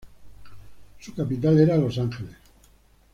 Su capital era Los Ángeles.